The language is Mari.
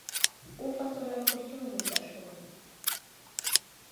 — У фасонан костюмым ургаш шонем.